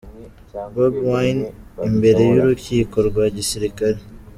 Bobi Wine imbere y’Urukiko rwa gisirikare